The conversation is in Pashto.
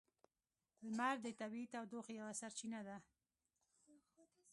لمر د طبیعی تودوخې یوه سرچینه ده.